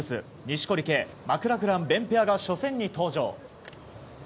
錦織圭、マクラクラン勉ペアが初戦に登場。